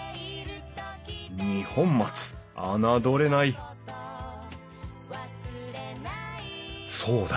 二本松侮れないそうだ。